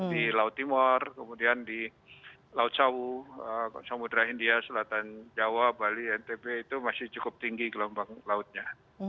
di laut timur kemudian di laut sawu samudera india selatan jawa bali ntb itu masih cukup tinggi gelombang lautnya